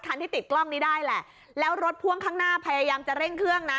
ที่ติดกล้องนี้ได้แหละแล้วรถพ่วงข้างหน้าพยายามจะเร่งเครื่องนะ